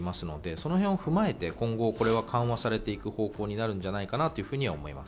そのへんを踏まえて今後、緩和されていく方向になるんじゃないかなというふうには思います。